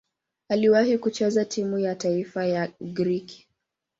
Aliwahi kucheza timu ya taifa ya Ugiriki.